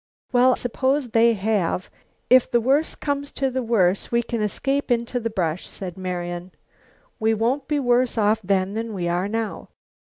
"Well, suppose they have. If the worst comes to the worst we can escape into the brush," said Marian. "We won't be worse off then than we are now."